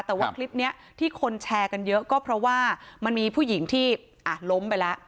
แต่ว่าคลิปนี้ที่คนแชร์กันเยอะก็เพราะว่ามันมีผู้หญิงที่ล้มไปแล้ว